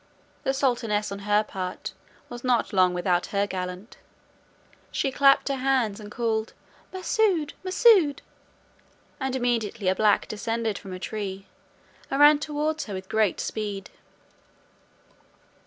The sultaness, on her part, was not long without her gallant. She clapped her hands, and called "Masoud, Masoud," and immediately a black descended from a tree, and ran towards her with great speed.